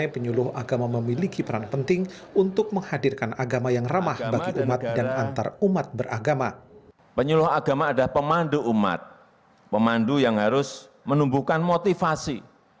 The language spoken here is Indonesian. penyuluh agama adalah pemandu umat pemandu yang harus menumbuhkan motivasi